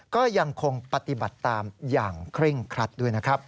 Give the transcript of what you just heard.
ก็ยังคงปฏิบัติตามอย่างเคร่งครัดด้วยนะครับ